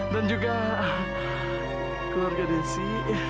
dan juga keluarga desi